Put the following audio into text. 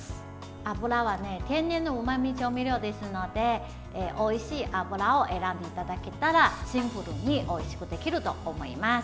油は天然のうまみ調味料ですのでおいしい油を選んでいただけたらシンプルにおいしくできると思います。